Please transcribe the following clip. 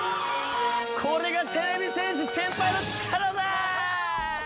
これがてれび戦士先輩の力だ。